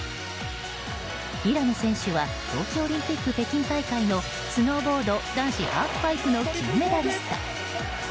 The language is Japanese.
平野選手は冬季オリンピック北京大会のスノーボード男子ハーフパイプの金メダリスト。